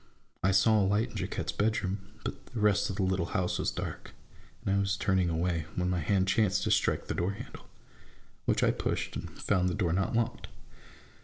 I saw a light in Jacquette's bedroom, but the rest of the little house was dark ; and I was turning away, when my hand chanced to strike the door handle, which I pushed, and found the door not locked.